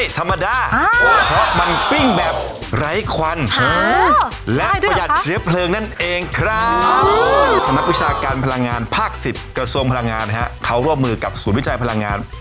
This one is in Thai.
ฟังตอนสามารถเป็นรถไขนขายหมู่ปิ้ง